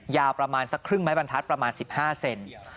ยาวประมาณสักครึ่งไม้บรรทัศน์ประมาณ๑๕เซน